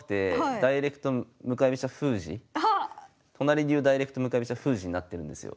都成流ダイレクト向かい飛車封じになってるんですよ。